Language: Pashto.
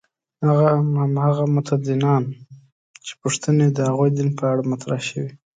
هغه هم هماغه متدینان چې پوښتنې د هغوی دین په اړه مطرح شوې.